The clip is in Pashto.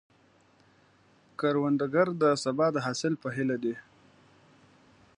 کروندګر د سبا د حاصل په هیله دی